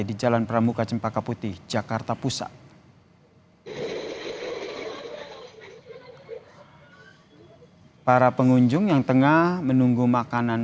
di jalan pramuka cempaka putih jakarta pusat para pengunjung yang tengah menunggu makanan